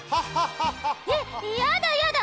えっやだやだ！